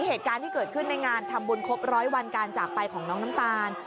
เหตุการณ์ที่เกิดขึ้นในงานทำบุญครบร้อยวันการจากไปของน้องน้ำตาล